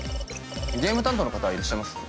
ゲーム担当の方はいらっしゃいます？